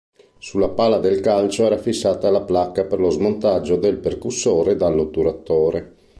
Sulla pala del calcio era fissata la placca per lo smontaggio del percussore dall'otturatore.